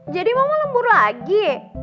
jadi mama lembur lagi